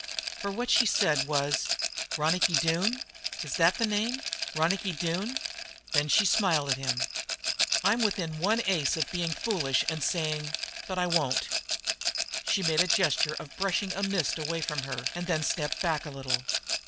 For what she said was: "Ronicky Doone! Is that the name? Ronicky Doone!" Then she smiled up at him. "I'm within one ace of being foolish and saying But I won't." She made a gesture of brushing a mist away from her and then stepped back a little.